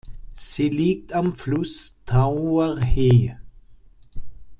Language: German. Sie liegt am Fluss Tao’er He.